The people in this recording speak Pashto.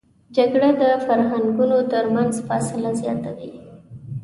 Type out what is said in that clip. جګړه د فرهنګونو تر منځ فاصله زیاتوي